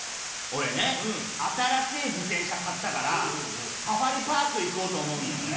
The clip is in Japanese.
俺ね新しい自転車買ったからサファリパーク行こうと思うんだよね。